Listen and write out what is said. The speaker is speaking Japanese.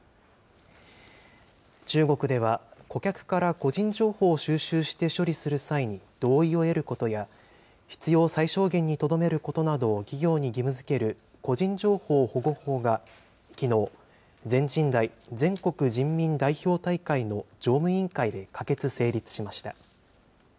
中国では、顧客から個人情報を収集して処理する際に同意を得ることや、必要最小限にとどめることなどを企業に義務づける個人情報保護法がきのう、全人代・全国人民代表大会の常務委員会で可決・成立しました。